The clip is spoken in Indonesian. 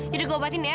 yaudah gue obatin ya